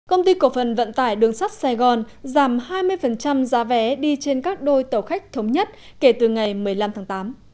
công ty cổ phần vận tải đường sắt sài gòn giảm hai mươi giá vé đi trên các đôi tàu khách thống nhất kể từ ngày một mươi năm tháng tám